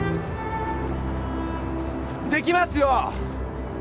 できますよ。